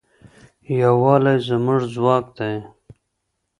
یووالی زموږ ځواک دی.